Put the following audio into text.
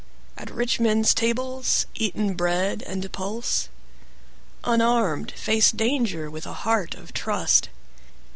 At rich men's tables eaten bread and pulse? Unarmed, faced danger with a heart of trust?